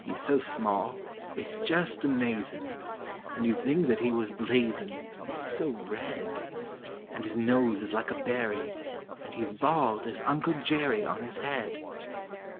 "] He's so small, it's just amazin', And you 'd think that he was blazin', He's so red; And his nose is like a berry, And he's bald as Uncle Jerry On his head.